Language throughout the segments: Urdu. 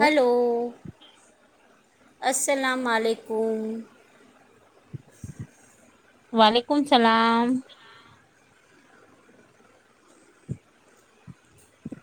ہلو السلام علیکم وعلیکم اللام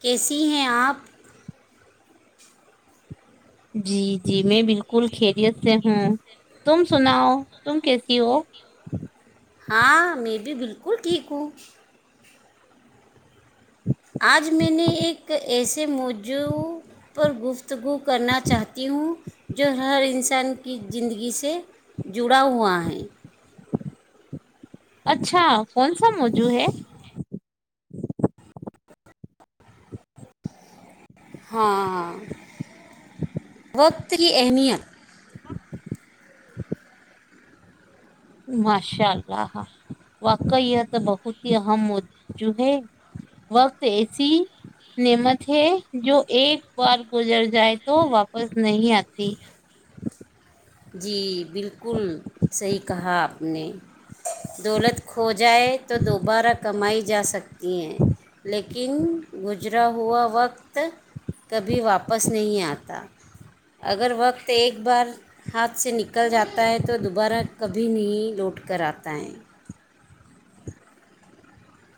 کیسی ہیں آپ جی جی میں بالکل خیریت سے ہوں تم سناؤ تم کیسی ہو ہاں میں بھی بالکل ٹھیک ہوں آج میں نے ایک ایسے موضوع پر گفت گفتگو کرنا چاہتی ہوں جو ہر انسان کی زندگی سے جڑا ہوا ہے اچھا کون سا موجو ہے ہاں ہاں [unintelligible] پتری اہمیت ہاں ماشاء اللہ واقع یہ تو بہت ہی اہم موجوع ہے وقت ایسی نعمت ہے جو ایک بار گزر جائے تو واپس نہیں آتی جی بالکل صحیح کہا آپ نے دولت کھو جائے تو دوبارہ کمائی جا سکتے ج لیکن گ گجرا ہوا وقت کبھی واپس نہیں آتا اگر وقت ایک بار ہاتھ سے نکل جاتا ہے تو دوبارہ کبھی نہیں لوٹ کر آتا ہے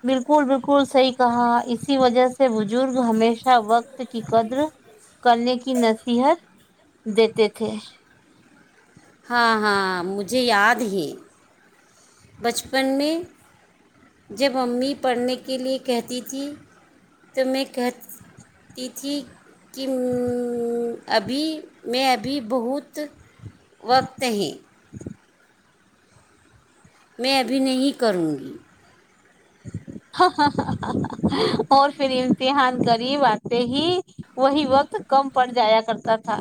بالکل بالکل صحیح کہا اسی وجہ سے بزرگ ہمیشہ وقت کی قدر کرنے کی نصیحت دیتے تھے ہاں ہاں مجھے یاد ہے بچپن میں جب امی پڑھنے کے لیے کہتی تھی تو میں کہتی تھی کوں ابھی میں ابھی بہت وقت ہیں میں ابھی نہیں کروں گی اور پھر امتحان قریب آتے ہی وہی وقت کم پڑ جایا کرتا تھا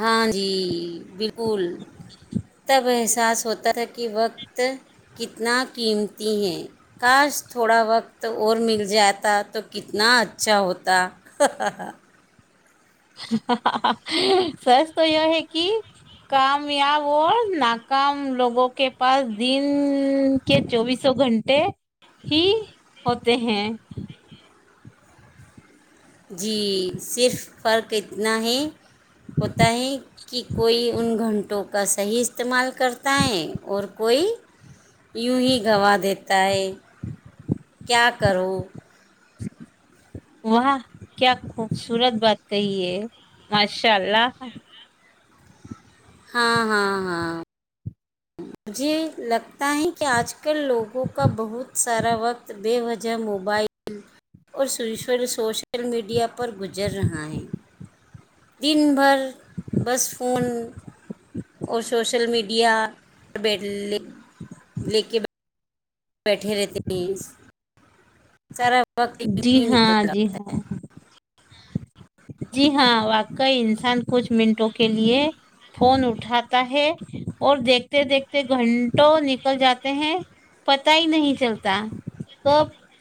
ہاں جی بالکل تب احساس ہوتا تھا کہ وقت کتنا قیمتی ہے کاش تھوڑا وقت اور مل جاتا تو کتنا اچھا ہوتا سچ تو یہ ہے کہ کامیاب اور ناکام لوگوں کے پاس دن کے چوبیسوں گھنٹے ہی ہوتے ہیں جی صرف فرق اتنا ہے ہوتا ہے کہ کوئی ان گھنٹوں کا صحیح استعمال کرتا ہے اور کوئی یوں ہی گنوا دیتا ہے کیا کرو وہاہ کیا خوبصورت بات کہیے ماشاء اللہ ہاں ہاں ہاں مجھے لگتا ہے کہ آج ک کے لوگوں کا بہت سارا وقت بے وج ج موبائل اور سوشل میڈیا پر گزر رہا ہے دن بھر بس فون اور سوشل میڈیا یا بلیلی لیک بیٹھے رہتے ہیں چرا جی ہاں جی ہاں جی ہاں واقعی انسان کچھ منٹوں کے لیے فون اٹھا کر ہے اور دیکھتے دیکھتے گھنٹوں نکل جاتے ہیں پت ہی نہیں چلتا تو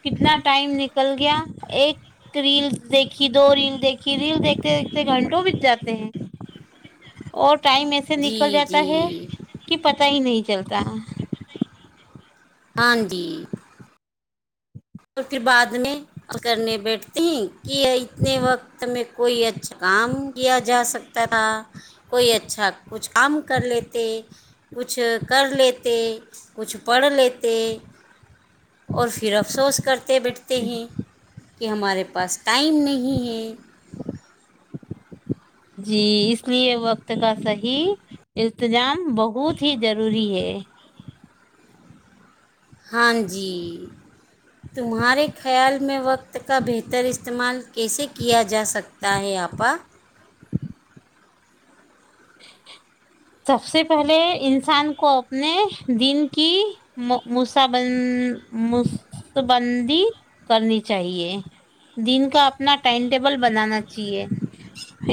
کتنا ٹائم نکل گیا ایک ریل دیک دیکھی دو ریل دیکھی ریل دیکھتے دیکھتے گھنٹوں بت جاتے ہیں اور ٹائم ایسے ہے جی نکل جاتا جی ہے کہ پ پت ہی نہیں چلتا ہاندی اور پھر بعد میں کرنے بیٹھتییں کہ اتنے وقتیں کوئی اچھا کام کیا جا سکتا تھا کوئی اچھا کچھ کم کر لیتے کچھ کر لیتے کچھ پڑھ لیتے اور پھر اپ کرتے بیٹھتے ہیں کہ ہمارے پاس ٹائم نہیں ہے جی اس لیے وقت کا صحیح التجام بہت ہی ضروری ہے ہاں جی تمہارے خیال میں وقت کا بہتر استعمال کیسے کیا جا سکتا ہے آپا [inaudible] سب سے پہلے انسان کو اپنے دن کی مس مسابندی کرنی چاہیے دن کا اپنا ٹائم ٹیبل بنانا چاہیے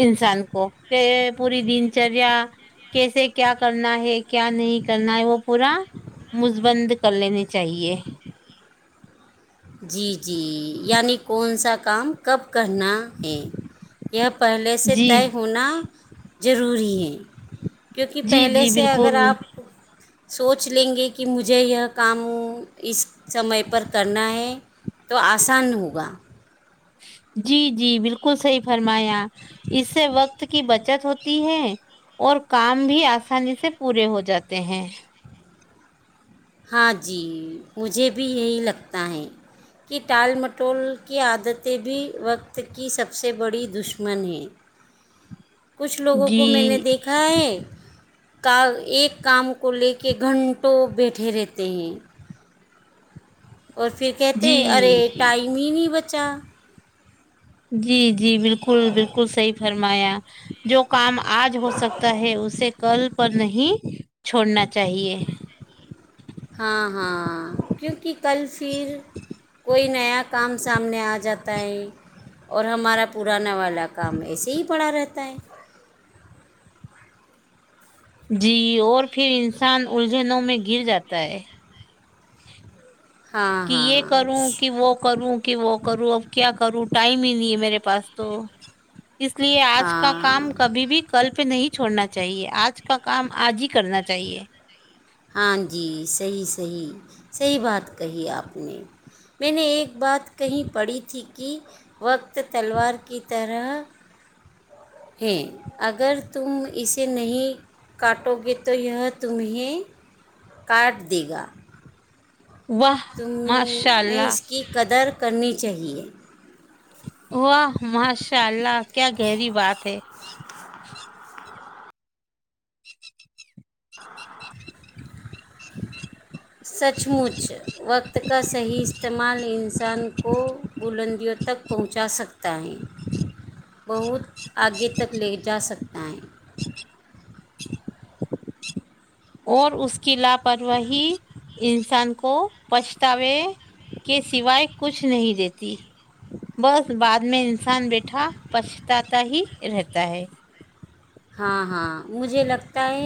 انسان کو کہ پوری دن چریا کیسے کیا کرنا ہے کیا نہیں کرنا ہے وہ پورا مس بند کر لینے چاہیے جی جی یعنی کون سا کام کب کرنا ہے یہ پہلے سے جی طے ہونا ضروری ہے کیونکہ جی پہلے جی سے اگر بالکل آپ سوچ لیں گے کہ مجھے یہ کام اس سمے پر کرنا ہے تو آسان ہوگا جی جی بالکل صحیح فرمایا اس سے وقت کی بچت ہوتی ہے اور کام بھی آسانی سے پورے ہو جاتے ہیں ہاں جی مجھے بھی یہی لگتا ہے کہ ٹال مٹول کی عادتیں بھی وقت کی سب سے بڑی دشمن ہیں کچھ لوگوں کو میں نے جی دیکھا ہے کا ایک کام کو لے کے گھنٹوں بیٹھے ٹے رہتے ہیں اور پھر کہتے ہیں ارے جی جی ٹائم ہی نہیں بچ چ جی جی بالکل بالکل صحیح فرمایا جو کام آج ہو سکتا ہے اسے کل پر نہیں چھوڑنا چاہیے ہاں ہاں کیونکہ کل پھر کوئی نیا کام سامنے آ جاتا ہے اور ہمارا پرانا والا کام ایسے ہی پڑا رہتا ہے جی اور پھر انسان الجھنوں میں گر جاتا ہے ہاں کہ یہ ہاں کروں کہ وہ کروں کہ وہ کروں اب کیا کروں ٹائم ہی نہیں ہے میرے پاس تو اس لیے آج کا کام ہاں کبھی بھی کلپ نہیں چھوڑنا چاہیے آج کا کام آج ہی کرنا چاہیے ہاں جی صحیح صحیح صحیح بات کہی آپ نے میں نے ایک بات کہی پڑھی تھی کہ وقت تلوار کی طرح ہے اگر تم اسے نہیں کاٹو گے تو یہ تمہیں کاٹھ دیھ واہ تم ماشاء میں اللہ اس کی قدر کرنی چاہیے واہ ماشاء اللہ کیا گہری بات ہے [unintelligible] سچ مچ وقت کا صحیح استعمال انسان کو بلندیوں تک پہنچا سکتا ہے بہت آگے تک لے جا سکتا ہے اور اس کی لاپرواہی انسان کو پچھتاوے کے سوائے کچھ نہیں دیتی بس بعد میں انسان بیٹھا پچتاا ہی رہتا ہے ہاں ہاں مجھے لگ تیں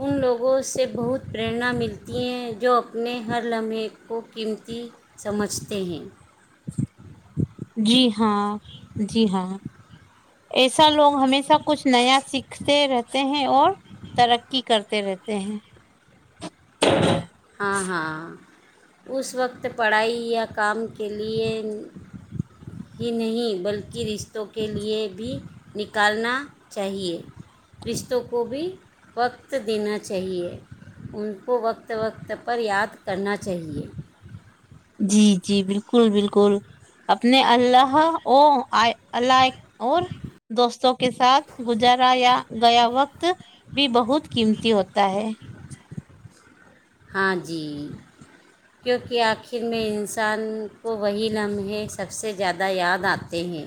ان لوگوں سے بہت پریرنا ملتی ہیں جو اپنے ہر لمحے کو قیمتی سمجھتے ہیں جی ہاں جی ہاں ایسا لوگ ہمیشہ کچھ نیا سیکھتے رہتے ہیں اور ترقی کرتے رہتے ہیں ہاں ہاں اس وقت پڑھائی یا کام کے لیے ہی نہیں بلکہ رشتوں کے لیے بھی نکالنا چاہیے رشتوں کو بھی وقت دینا چاہیے ان کو وقت وقت پر یاد کرنا چاہیے جی جی بالکل بالکل اپنے اللہ او ال اور دوستوں کے ساتھ گزارا یا گیا وقت بھی بہت قیمتی ہوتا ہے ہاں جی کیونکہ آخر میں انسان کو وہی لمحے سب سے زیادہ یاد آتے ہیں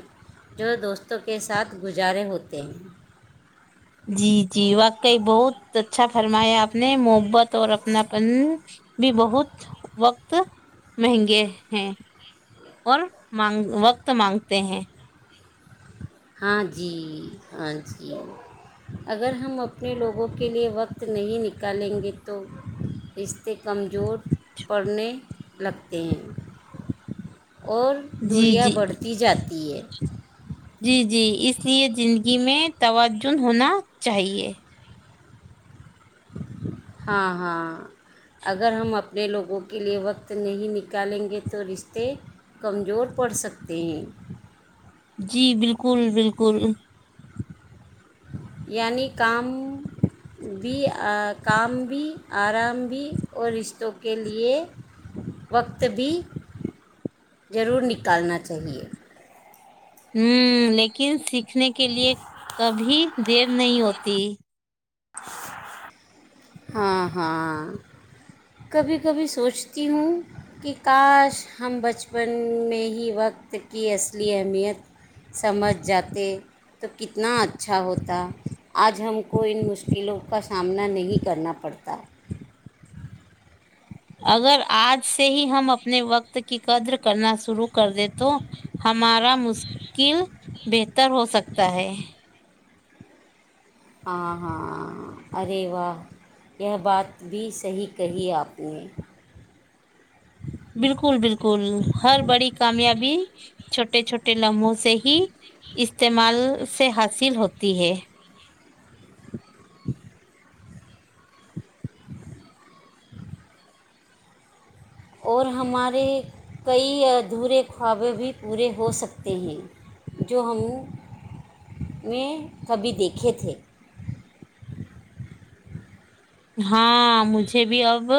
جو دوستوں کے ساتھ گزارے ہوتے ہیں جی جی واقعی بہت اچھا فرمایا آپ نے محبت اور اپنا پن بھی بہت وقت مہنگے ہیں اور مانگ وقت مانگتے ہیں ہاں جی ہاں جی اگر ہم اپنے لوگوں کے لیے وقت نہیں نکالیں گے تو سے کمزور پڑھنے لگتے ہیں اور جی دوریا جی بڑھتی جاتی ہے جی جی اس لیے زندگی میں توجن ہونا چاہیے ہاں ہاں اگر ہم اپنے لوگوں کے لیئے وقت نہیں نکالیں گے تو رشتے کمزور پڑ سکتے ہیں جی بالکل بالکل یعنی کام بھی کام بھی آرام بھی اور رشتوں کے لیئے وقت بھی ضرور نکالنا چاہیے ہ لیکن سیکھنے کے لیئے کبھی دیر نہیں ہوتی ہاں ہاں کبھی کبھی سوچتی ہوں کہ کاش ہم بچپن میں ہی وقت کی اصلی اہمیت سمجھ جاتے تو کتنا اچھا ہوتا آج ہم کو ان مشل و کا سامنا نہیں کرنا پڑتا اگر آج سے ہی ہم اپنے وقت کی قدر کرنا شروع کر دیں تو ہمارا مشکل بہتر ہو سکتا ہے ہاں ہاں ارے و [unintelligible] یہ بات بھی صحیح کہی آپ نے بالکل بالکل ہر بڑی کامیابی چھوٹے چھوٹے ٹ لمحو سے ہی استعمال سے حاصل ہوتی ہے اور ہمارے کئی ادھورے خوابے بھی پورے ہو سکتے ہیں جو ہم میں کبھی دیکھے تھے ہاں مجھے بھی اب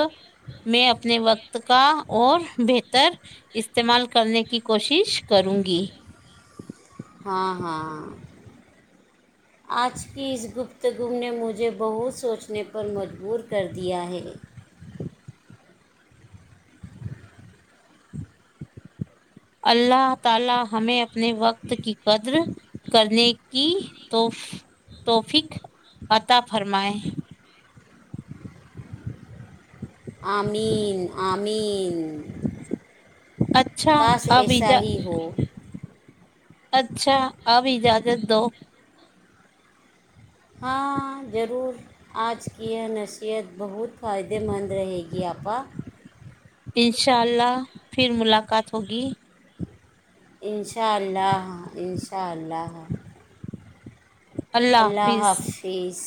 میں اپنے وقت ت کا اور بیٹ [unintelligible] تر استعمال کرنے کی کوشش کروں گی ہاں ہاں آج کی اس گفتگو نے مجھے بہت سوچنے پر مجبور کر دیا ہے اللہ تعالی ہمیں اپنے وقت کی قدر کرنے کی توفق عطا فرمائیں امین امین اچھا کاش اب ایسا اجا ہی ہو اچھا اب اجازت دو ہاں ضرور آج کی یہ نصیحت بہت فائدے مند رہے گی آپا انشاء اللہ پھر ملاقات ہوگی ان شاء اللہ ان شاء اللہ اللہ حافظ